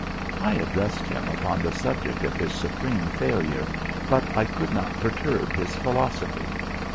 I addressed him upon the subject of his supreme failure, but I could not perturb his philosophy.